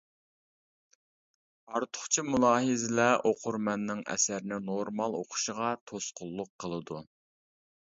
ئارتۇقچە مۇلاھىزىلەر ئوقۇرمەننىڭ ئەسەرنى نورمال ئوقۇشىغا توسقۇنلۇق قىلىدۇ.